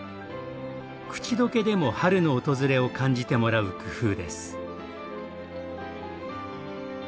口溶けでも春の訪れを感じてもらう工夫です。